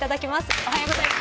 おはようございます。